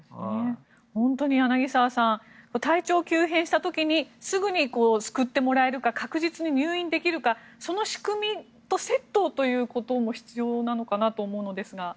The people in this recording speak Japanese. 本当に、柳澤さん体調が急変した時にすぐに救ってもらえるか確実に入院できるかその仕組みとセットということも必要なのかなと思うのですが。